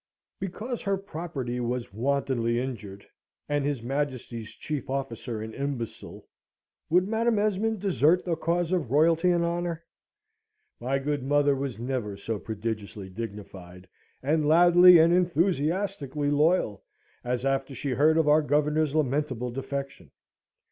Because her property was wantonly injured, and his Majesty's chief officer an imbecile, would Madam Esmond desert the cause of Royalty and Honour? My good mother was never so prodigiously dignified, and loudly and enthusiastically loyal, as after she heard of our Governor's lamentable defection.